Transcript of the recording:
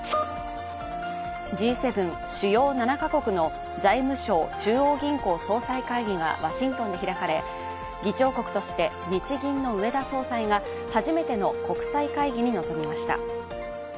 Ｇ７＝主要７か国の財務相・中央銀行総裁会議がワシントンで開かれ、議長国として日銀の植田総裁が初めての国際会議に臨みました。